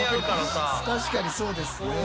確かにそうですね。